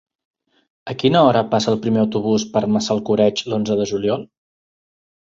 A quina hora passa el primer autobús per Massalcoreig l'onze de juliol?